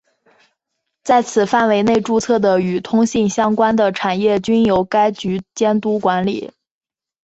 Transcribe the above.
在此范围内注册的与通信相关的产业均由该局监督管理。